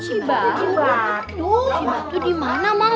cibatu di mana mam